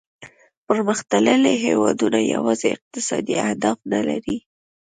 پرمختللي هیوادونه یوازې اقتصادي اهداف نه لري